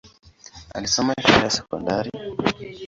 Alisoma shule ya sekondari.